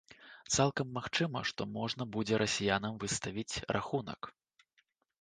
Цалкам магчыма, што можна будзе расіянам выставіць рахунак.